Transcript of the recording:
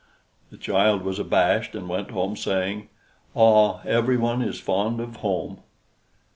The child was abashed, and went home, saying, "Ah, every one is fond of home!"